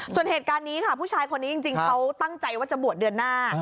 ส่วนเหตุการณ์นี้ค่ะผู้ชายคนนี้จริงเขาตั้งใจว่าจะบวชเดือนหน้า